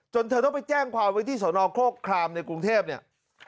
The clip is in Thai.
เธอต้องไปแจ้งความไว้ที่สนโครคครามในกรุงเทพเนี่ย